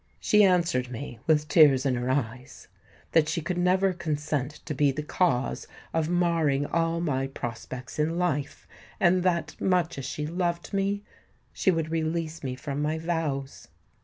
She answered me, with tears in her eyes, that she could never consent to be the cause of marring all my prospects in life, and that, much as she loved me, she would release me from my vows.